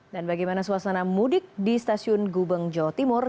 dan bagaimana suasana mudik di stasiun gubeng jawa timur